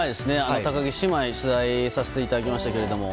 高木姉妹を取材させていただきましたけれども。